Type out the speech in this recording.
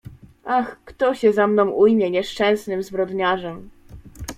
Ach, kto się za mną ujmie, nieszczęsnym zbrodniarzem.